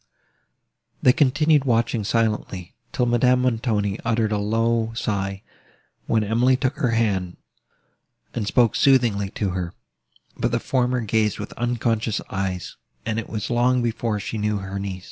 They continued watching silently, till Madame Montoni uttered a low sigh, when Emily took her hand, and spoke soothingly to her; but the former gazed with unconscious eyes, and it was long before she knew her niece.